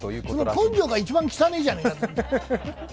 その根性が一番汚ぇじゃねえか。